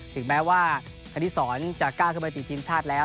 ถึงแม้ว่าคณิสรจะก้าวขึ้นไปติดทีมชาติแล้ว